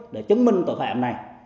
để chứng minh tội phạm này